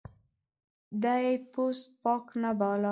دی پوست پاک نه باله.